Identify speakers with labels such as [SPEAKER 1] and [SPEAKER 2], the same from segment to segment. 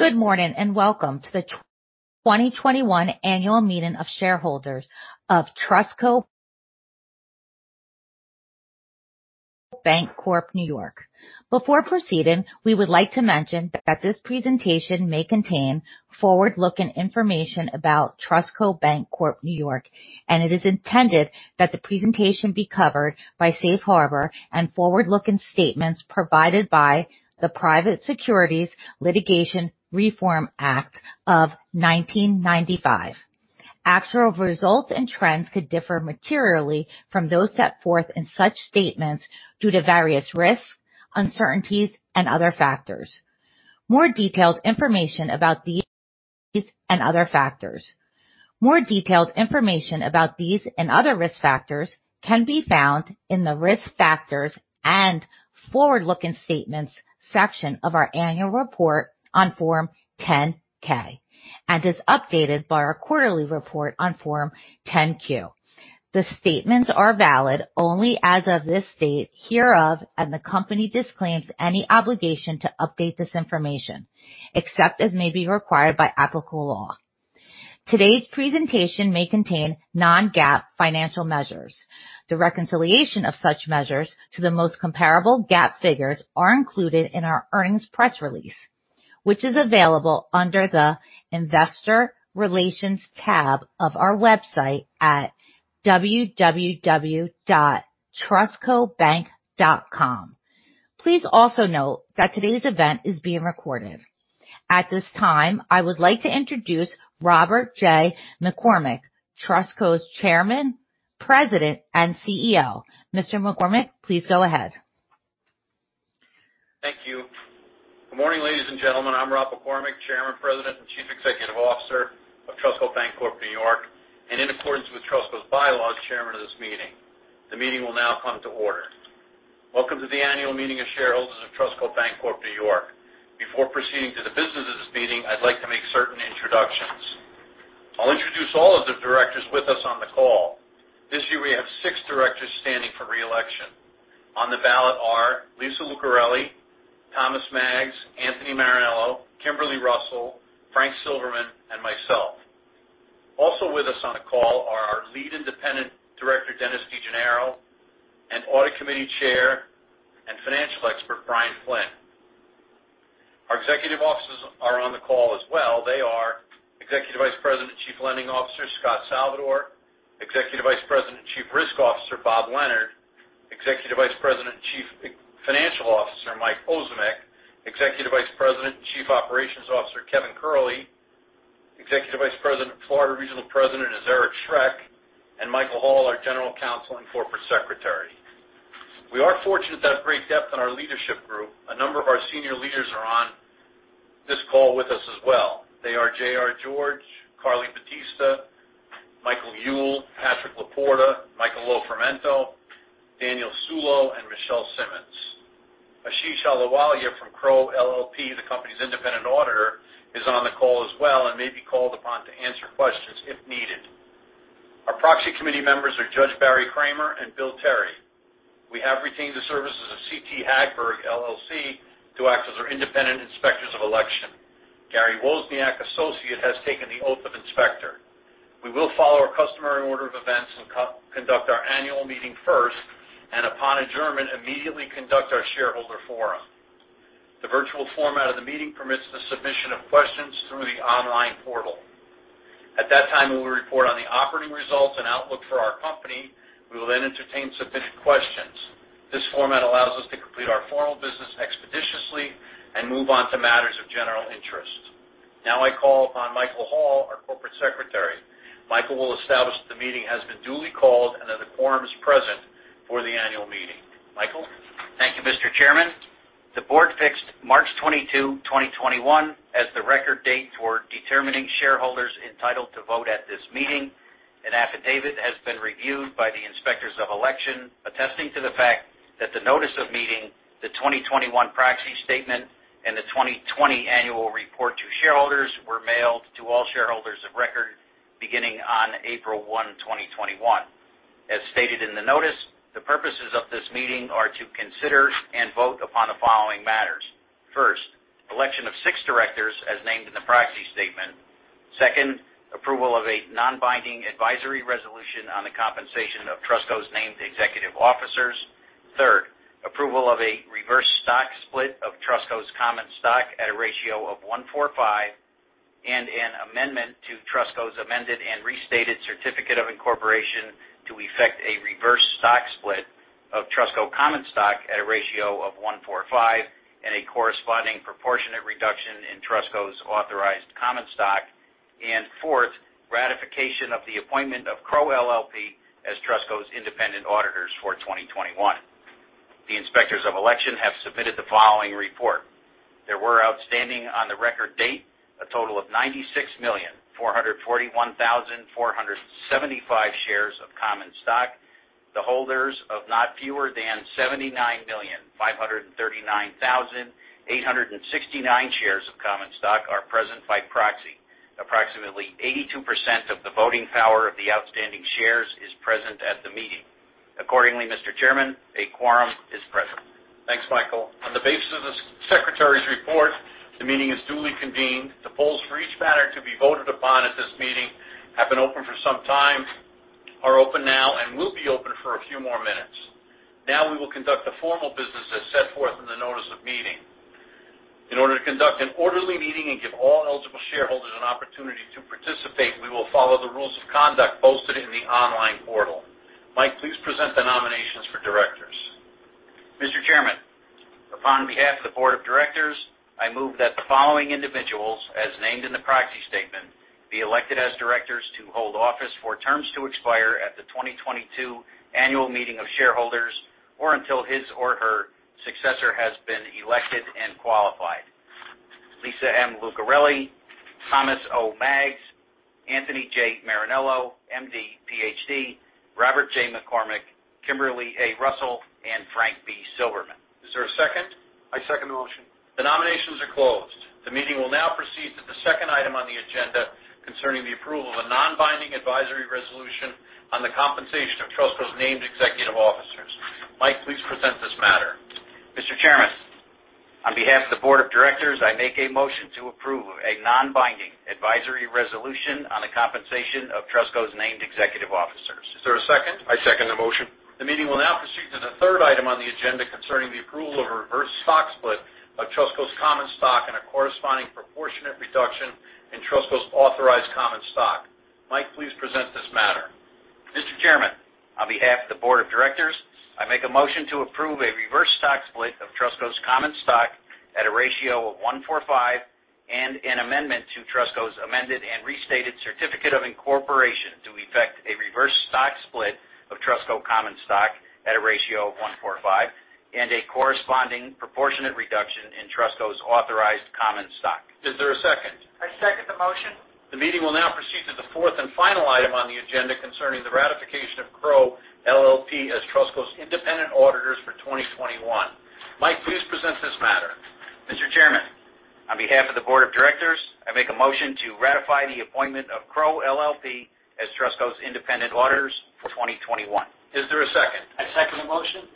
[SPEAKER 1] Good morning, welcome to the 2021 Annual Meeting of Shareholders of Trustco Bank Corp New York. Before proceeding, we would like to mention that this presentation may contain forward-looking information about Trustco Bank Corp New York, and it is intended that the presentation be covered by safe harbor and forward-looking statements provided by the Private Securities Litigation Reform Act of 1995. Actual results and trends could differ materially from those set forth in such statements due to various risks, uncertainties, and other factors. More detailed information about these and other risk factors can be found in the Risk Factors and Forward-Looking Statements section of our annual report on Form 10-K and is updated by our quarterly report on Form 10-Q. The statements are valid only as of this date hereof, and the company disclaims any obligation to update this information, except as may be required by applicable law. Today's presentation may contain non-GAAP financial measures. The reconciliation of such measures to the most comparable GAAP figures are included in our earnings press release, which is available under the Investor Relations tab of our website at www.trustcobank.com. Please also note that today's event is being recorded. At this time, I would like to introduce Robert J. McCormick, Trustco's Chairman, President, and CEO. Mr. McCormick, please go ahead.
[SPEAKER 2] Thank you. Good morning, ladies and gentlemen. I'm Rob McCormick, Chairman, President, and Chief Executive Officer of Trustco Bank Corp NY, and in accordance with Trustco's bylaws, chairman of this meeting. The meeting will now come to order. Welcome to the Annual Meeting of Shareholders of Trustco Bank Corp NY. Before proceeding to the business of this meeting, I'd like to make certain introductions. I'll introduce all of the Directors with us on the call. This year, we have six Directors standing for re-election. On the ballot are Lisa Lucarelli, Thomas Maggs, Anthony Marinello, Kimberly Russell, Frank Silverman, and myself. Also with us on the call are our Lead Independent Director, Dennis DeGennaro, and Audit Committee Chair and Financial Expert, Brian Flynn. Our executive officers are on the call as well. They are Executive Vice President and Chief Lending Officer, Scot Salvador; Executive Vice President and Chief Risk Officer, Bob Leonard; Executive Vice President and Chief Financial Officer, Mike Ozimek; Executive Vice President and Chief Operations Officer, Kevin Curley; Executive Vice President and Florida Regional President, Eric Schreck; and Michael Hall, our General Counsel and Corporate Secretary. We are fortunate to have great depth in our leadership group. A number of our Senior Leaders are on this call with us as well. They are J.R. George, Carly Batista, Michael Uhl, Patrick LaPorta, Michael Lofrumento, Daniel Saullo, and Michelle Simmonds. Ashish Ahlowalia from Crowe LLP, the company's independent auditor, is on the call as well and may be called upon to answer questions if needed. Our Proxy Committee members are Judge Barry Kramer and Bill Terry. We have retained the services of CT Hagberg LLC to act as our independent Inspectors of Election. Gary Wozniak & Associates has taken the Oath of Inspector. We will follow our customary order of events and conduct our annual meeting first, and upon adjournment, immediately conduct our shareholder forum. The virtual format of the meeting permits the submission of questions through the online portal. At that time, we will report on the operating results and outlook for our company. We will then entertain submitted questions. This format allows us to complete our formal business expeditiously and move on to matters of general interest. Now I call upon Michael Hall, our Corporate Secretary. Michael will establish that the meeting has been duly called and that a quorum is present for the Annual Meeting. Michael?
[SPEAKER 3] Thank you, Mr. Chairman. The board fixed March 22, 2021, as the record date for determining shareholders entitled to vote at this meeting. An affidavit has been reviewed by the Inspectors of Election attesting to the fact that the notice of meeting, the 2021 Proxy Statement, and the 2020 Annual Report to shareholders were mailed to all shareholders of record beginning on April 1, 2021. As stated in the notice, the purposes of this meeting are to consider and vote upon the following matters. First, election of six directors as named in the proxy statement. Second, approval of a non-binding advisory resolution on the compensation of Trustco's named executive officers. Third, approval of a reverse stock split of Trustco's common stock at a ratio of 1:5 and an amendment to Trustco's amended and restated certificate of incorporation to effect a reverse stock split of Trustco common stock at a ratio of 1:5 and a corresponding proportionate reduction in Trustco's authorized common stock. Fourth, ratification of the appointment of Crowe LLP as Trustco's independent auditors for 2021. The Inspectors of Election have submitted the following report. There were outstanding on the record date, a total of 96,441,475 shares of common stock. The holders of not fewer than 79,539,869 shares of common stock are present by proxy. Approximately 82% of the voting power of the outstanding shares is present at the meeting. Accordingly, Mr. Chairman, a quorum is present.
[SPEAKER 2] Thanks, Michael. On the basis of the secretary's report, the meeting is duly convened. The polls for each matter to be voted upon at this meeting have been open for some time, are open now, and will be open for a few more minutes. Now we will conduct the formal business as set forth in the notice of meeting. In order to conduct an orderly meeting and give all eligible shareholders an opportunity to participate, we will follow the rules of conduct posted in the online portal. Mike, please present the nominations for directors.
[SPEAKER 3] Mr. Chairman, upon behalf of the Board of Directors, I move that the following individuals, as named in the Proxy Statement, be elected as directors to hold office for terms to expire at the 2022 Annual Meeting of Shareholders, or until his or her successor has been elected and qualified. Lisa M. Lucarelli, Thomas O. Maggs, Anthony J. Marinello, MD, PhD, Robert J. McCormick, Kimberly A. Russell, and Frank B. Silverman.
[SPEAKER 2] PIs there a second?
[SPEAKER 4] I second the motion.
[SPEAKER 2] The nominations are closed. The meeting will now proceed to the second item on the agenda concerning the approval of a non-binding advisory resolution on the compensation of Trustco's named executive officers. Mike, please present this matter.
[SPEAKER 3] Mr. Chairman, on behalf of the Board of Directors, I make a motion to approve a non-binding advisory resolution on the compensation of Trustco's named executive officers.
[SPEAKER 2] Is there a second?
[SPEAKER 5] I second the motion.
[SPEAKER 2] The meeting will now proceed to the third item on the agenda concerning the approval of a reverse stock split of Trustco's common stock and a corresponding proportionate reduction in Trustco's authorized common stock. Mike, please present this matter.
[SPEAKER 3] Mr. Chairman, on behalf of the Board of Directors, I make a motion to approve a reverse stock split of Trustco's common stock at a ratio of 1:5 and an amendment to Trustco's amended and restated certificate of incorporation to effect a reverse stock split of Trustco common stock at a ratio of 1:5 and a corresponding proportionate reduction in Trustco's authorized common stock.
[SPEAKER 2] Is there a second?
[SPEAKER 6] I second the motion.
[SPEAKER 2] The meeting will now proceed to the fourth and final item on the agenda concerning the ratification of Crowe LLP as Trustco's independent auditors for 2021. Mike, please present this matter.
[SPEAKER 3] Mr. Chairman, on behalf of the Board of Directors, I make a motion to ratify the appointment of Crowe LLP as Trustco's independent auditors for 2021.
[SPEAKER 2] Is there a second?
[SPEAKER 7] I second the motion.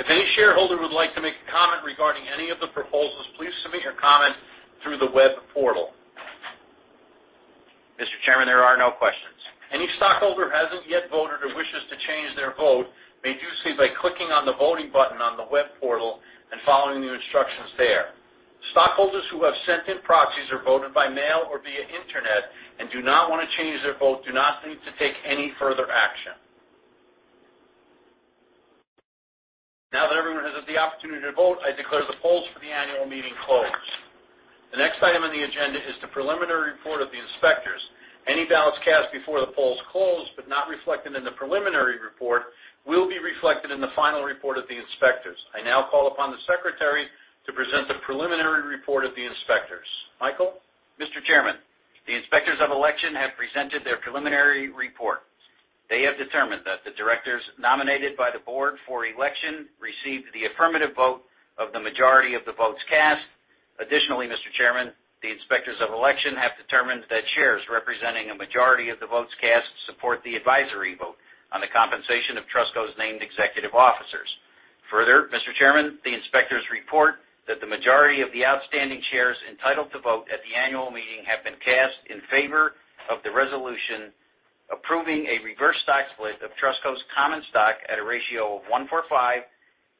[SPEAKER 2] If any shareholder would like to make a comment regarding any of the proposals, please submit your comments through the web portal.
[SPEAKER 3] Mr. Chairman, there are no questions.
[SPEAKER 2] Any stockholder who hasn't yet voted or wishes to change their vote may do so by clicking on the voting button on the web portal and following the instructions there. Stockholders who have sent in proxies or voted by mail or via internet and do not want to change their vote do not need to take any further action. Now that everyone has had the opportunity to vote, I declare the polls for the Annual Meeting closed. The next item on the agenda is the preliminary report of the inspectors. Any ballots cast before the polls closed but not reflected in the preliminary report will be reflected in the final report of the inspectors. I now call upon the secretary to present the preliminary report of the inspectors. Michael?
[SPEAKER 3] Mr. Chairman, the Inspectors of Election have presented their preliminary report. They have determined that the directors nominated by the Board for election received the affirmative vote of the majority of the votes cast. Additionally, Mr. Chairman, the Inspectors of Election have determined that shares representing a majority of the votes cast support the advisory vote on the compensation of Trustco's named executive officers. Further, Mr. Chairman, the inspectors report that the majority of the outstanding shares entitled to vote at the Annual Meeting have been cast in favor of the resolution approving a reverse stock split of Trustco's common stock at a ratio of 1:5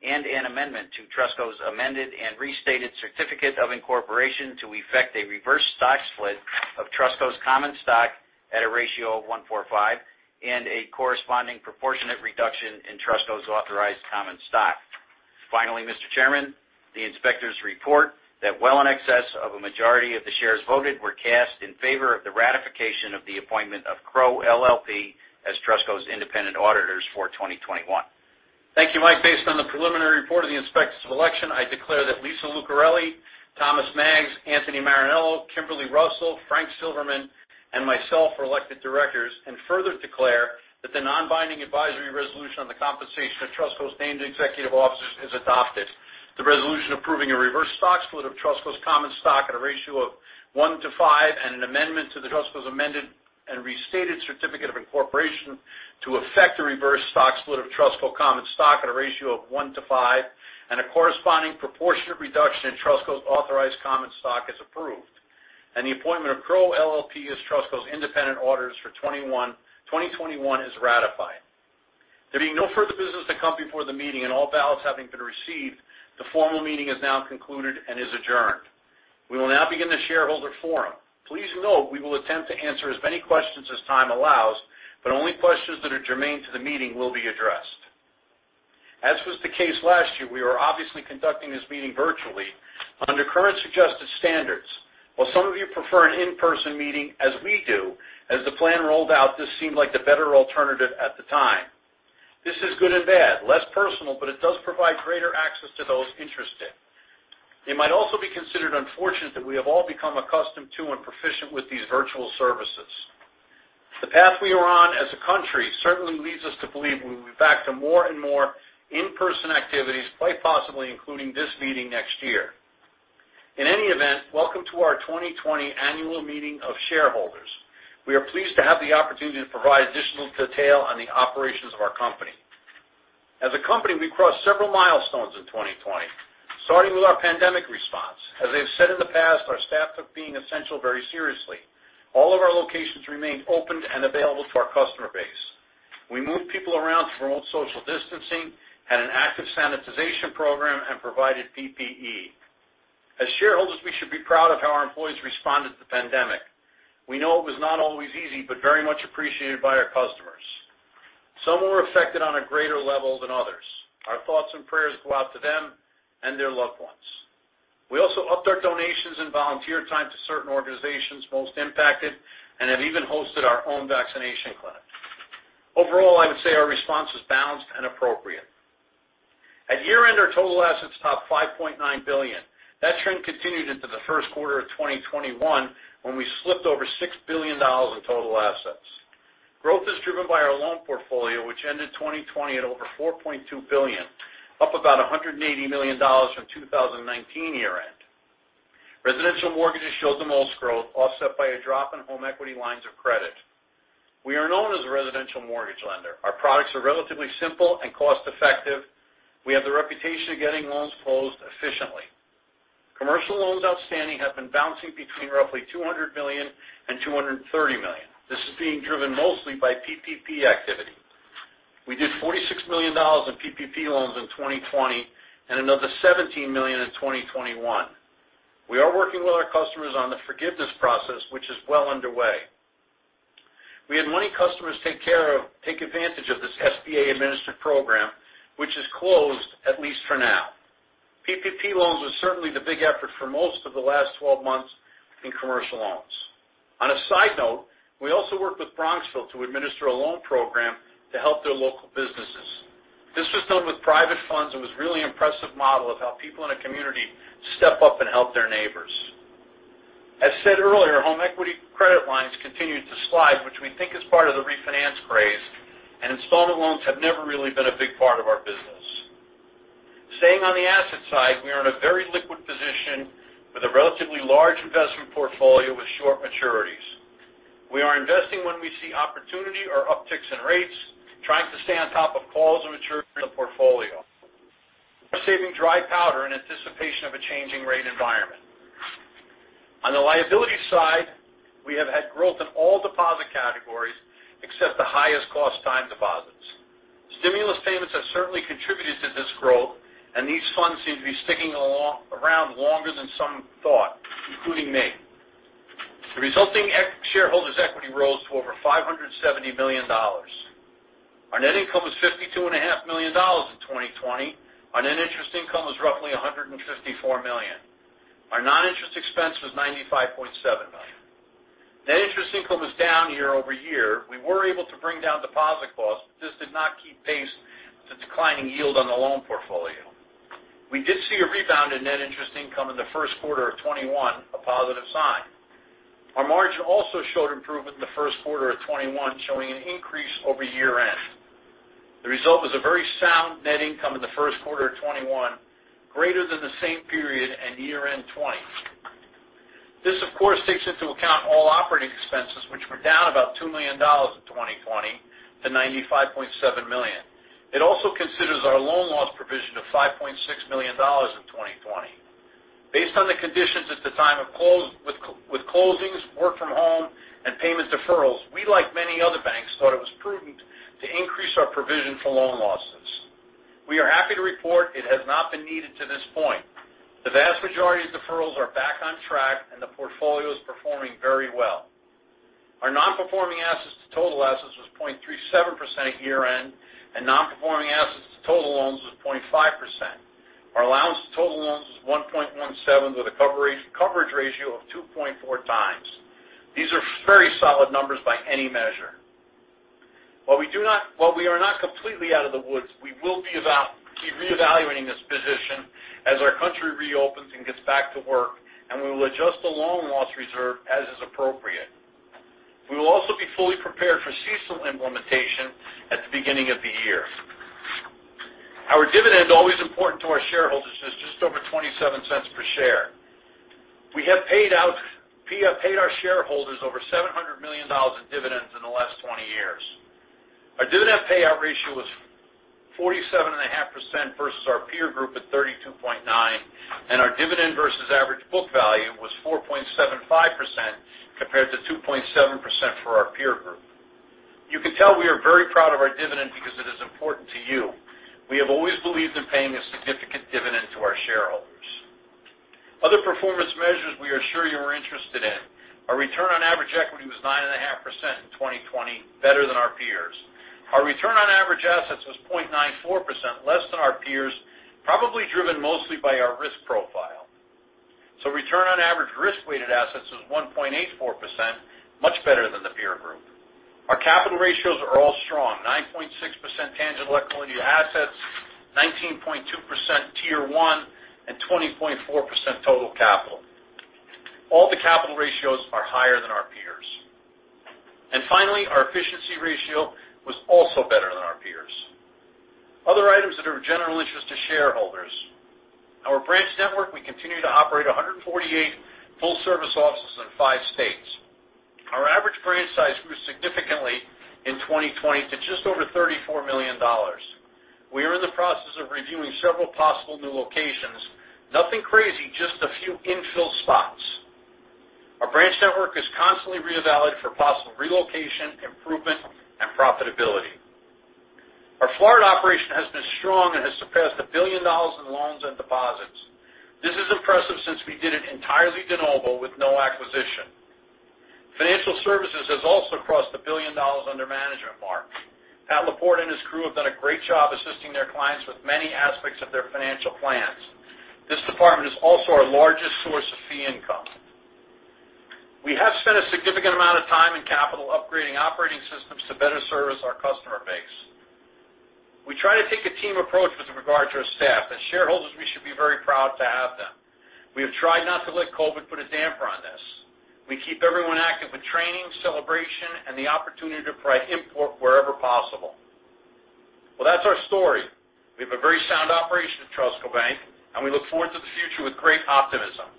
[SPEAKER 3] and an amendment to Trustco's amended and restated certificate of incorporation to effect a reverse stock split of Trustco's common stock at a ratio of 1:5 and a corresponding proportionate reduction in Trustco's authorized common stock. Finally, Mr. Chairman, the inspectors report that well in excess of a majority of the shares voted were cast in favor of the ratification of the appointment of Crowe LLP as Trustco's independent auditors for 2021.
[SPEAKER 2] Thank you, Mike. Based on the preliminary report of the Inspectors of Election, I declare that Lisa Lucarelli, Thomas Maggs, Anthony Marinello, Kimberly Russell, Frank Silverman, and myself were elected directors, and further declare that the non-binding advisory resolution on the compensation of Trustco's named executive officers is adopted. The resolution approving a reverse stock split of Trustco's common stock at a ratio of 1:5 and an amendment to Trustco's amended and restated certificate of incorporation to effect a reverse stock split of Trustco common stock at a ratio of 1:5 and a corresponding proportionate reduction in Trustco's authorized common stock is approved, and the appointment of Crowe LLP as Trustco's independent auditors for 2021 is ratified. There being no further business to come before the meeting and all ballots having been received, the formal meeting is now concluded and is adjourned. We will now begin the shareholder forum. Please note we will attempt to answer as many questions as time allows, but only questions that are germane to the meeting will be addressed. As was the case last year, we are obviously conducting this meeting virtually under current suggested standards. While some of you prefer an in-person meeting, as we do, as the plan rolled out, this seemed like a better alternative at the time. This is good and bad, less personal, but it does provide greater access to those interested. It might also be considered unfortunate that we have all become accustomed to and proficient with these virtual services. The path we are on as a country certainly leads us to believe we will be back to more and more in-person activities, quite possibly including this meeting next year. In any event, welcome to our 2020 Annual Meeting of Shareholders. We are pleased to have the opportunity to provide additional detail on the operations of our company. As a company, we crossed several milestones in 2020, starting with our pandemic response. As I've said in the past, our staff took being essential very seriously. All of our locations remained open and available to our customer base. We moved people around to promote social distancing, had an active sanitization program, and provided PPE. As shareholders, we should be proud of how our employees responded to the pandemic. We know it was not always easy, but very much appreciated by our customers. Some were affected on a greater level than others. Our thoughts and prayers go out to them and their loved ones. We also upped our donations and volunteer time to certain organizations most impacted and have even hosted our own vaccination clinic. Overall, I would say our response was balanced and appropriate. At year-end, our total assets topped $5.9 billion. That trend continued into the first quarter of 2021, when we slipped over $6 billion in total assets. Growth is driven by our loan portfolio, which ended 2020 at over $4.2 billion, up about $180 million from 2019 year-end. Residential mortgages showed the most growth, offset by a drop in home equity lines of credit. We are known as a residential mortgage lender. Our products are relatively simple and cost-effective. We have the reputation of getting loans closed efficiently. Commercial loans outstanding have been bouncing between roughly $200 million and $230 million. This is being driven mostly by PPP activity. We did $46 million in PPP loans in 2020 and another $17 million in 2021. We are working with our customers on the forgiveness process, which is well underway. We had many customers take advantage of this SBA-administered program, which has closed at least for now. PPP loans were certainly the big effort for most of the last 12 months in commercial loans. On a side note, we also worked with Bronxville to administer a loan program to help their local businesses. This was done with private funds and was a really impressive model of how people in a community step up and help their neighbors. As stated earlier, home equity credit lines continued to slide, which we think is part of the refinance craze, and installment loans have never really been a big part of our business. Staying on the asset side, we are in a very liquid position with a relatively large investment portfolio with short maturities. We are investing when we see opportunity or upticks in rates, trying to stay on top of calls of maturity in the portfolio. We're saving dry powder in anticipation of a changing rate environment. On the liability side, we have had growth in all deposit categories except the highest cost time deposits. Stimulus payments have certainly contributed to this growth, and these funds seem to be sticking around longer than some thought, including me. The resulting shareholders' equity rose to over $570 million. Our net income was $52.5 million in 2020. Our net interest income was roughly $154 million. Our non-interest expense was $95.7 million. Net interest income was down year-over-year. We were able to bring down deposit costs, but this did not keep pace with the declining yield on the loan portfolio. We did see a rebound in net interest income in the first quarter of 2021, a positive sign. Our margin also showed improvement in the first quarter of 2021, showing an increase over year-end. The result is a very sound net income in the first quarter of 2021, greater than the same period at year-end 2020. This, of course, takes into account all operating expenses, which were down about $2 million in 2020 to $95.7 million. It also considers our loan loss provision of $5.6 million in 2020. Based on the conditions at the time with closings, work from home, and payment deferrals, we, like many other banks, thought it was prudent to increase our provision for loan losses. We are happy to report it has not been needed to this point. The vast majority of deferrals are back on track, and the portfolio is performing very well. Our non-performing assets to total assets was 0.37% year-end, and non-performing assets to total loans was 0.5%. Our allowance to total loans was 1.17 with a coverage ratio of 2.4x. These are very solid numbers by any measure. While we are not completely out of the woods, we will keep reevaluating this position as our country reopens and gets back to work, and we will adjust the loan loss reserve as is appropriate. We will also be fully prepared for CECL implementation at the beginning of the year. Our dividend is always important to our shareholders. It's just over $0.27 per share. We have paid our shareholders over $700 million in dividends in the last 20 years. Our dividend payout ratio was 47.5% versus our peer group at 32.9%, and our dividend versus average book value was 4.75% compared to 2.7% for our peer group. You can tell we are very proud of our dividend because it is important to you. We have always believed in paying a significant dividend to our shareholders. Other performance measures we are sure you are interested in. Our return on average equity was 9.5% in 2020, better than our peers. Our return on average assets was 0.94%, less than our peers, probably driven mostly by our risk profile. Return on average risk-weighted assets was 1.84%, much better than the peer group. Our capital ratios are 19.2% Tier 1, and 20.4% total capital. All the capital ratios are higher than our peers. Finally, our efficiency ratio was also better than our peers. Other items that are of general interest to shareholders. Our branch network, we continue to operate 148 full-service offices in five states. Our average branch size grew significantly in 2020 to just over $34 million. We are in the process of reviewing several possible new locations. Nothing crazy, just a few infill spots. Our branch network is constantly reevaluated for possible relocation, improvement, and profitability. Our Florida operation has been strong and has surpassed $1 billion in loans and deposits. This is impressive since we did it entirely de novo with no acquisition. Financial services has also crossed the $1 billion under management mark. Pat LaPorta and his crew have done a great job assisting their clients with many aspects of their financial plans. This department is also our largest source of fee income. We have spent a significant amount of time and capital upgrading operating systems to better service our customer base. We try to take a team approach with regard to our staff. As shareholders, we should be very proud to have them. We have tried not to let COVID put a damper on this. We keep everyone active with training, celebration, and the opportunity to provide input wherever possible. Well, that's our story. We have a very sound operation at Trustco Bank, and we look forward to the future with great optimism.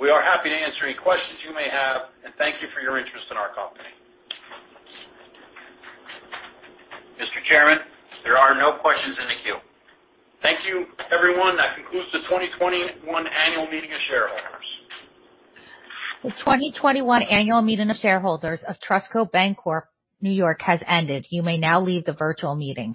[SPEAKER 2] We are happy to answer any questions you may have, and thank you for your interest in our company.
[SPEAKER 3] Mr. Chairman, there are no questions in the queue.
[SPEAKER 2] Thank you, everyone. That concludes the 2021 Annual Meeting of Shareholders.
[SPEAKER 1] The 2021 Annual Meeting of Shareholders of Trustco Bank Corp NY has ended. You may now leave the virtual meeting